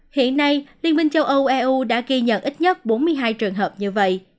hiện nay liên minh châu âu eu đã ghi nhận ít nhất bốn mươi hai trường hợp như vậy